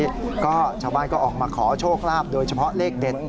นี่ก็ชาวบ้านก็ออกมาขอโชคลาภโดยเฉพาะเลขเด็ด